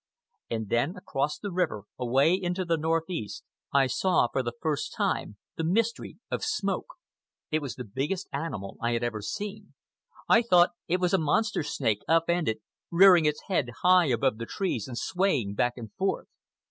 And then, across the river, away into the northeast, I saw for the first time the mystery of smoke. It was the biggest animal I had ever seen. I thought it was a monster snake, up ended, rearing its head high above the trees and swaying back and forth.